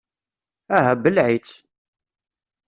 Aha, belleε-itt!